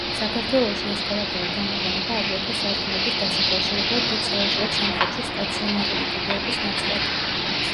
საქართველოში ესკალატორი გამოყენება აგრეთვე სართულების დასაკავშირებლად დიდ სავაჭრო ცენტრებში სტაციონარული კიბეების ნაცვლად.